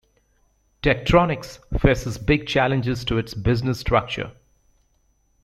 Tektronix faces big challenges to its business structure.